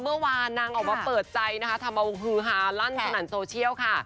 เมื่อวานนางออกมาเปิดใจนะคะทำเอาฮือฮาลั่นสนั่นโซเชียลค่ะ